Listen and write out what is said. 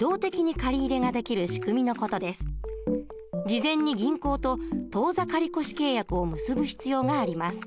事前に銀行と当座借越契約を結ぶ必要があります。